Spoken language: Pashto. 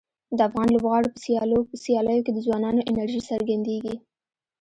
د افغان لوبغاړو په سیالیو کې د ځوانانو انرژي څرګندیږي.